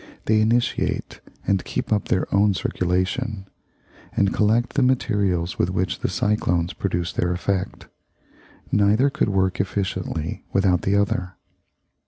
They initiate and keep up their own circulation, and collect the materials with which the cyclones produce their effect. Neither could work efficiently without the other.